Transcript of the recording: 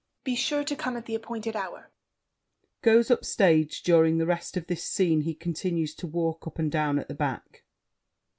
Be sure to come at the appointed hour. [Goes up stage; during the rest of this scene he continues to walk up and down at the back.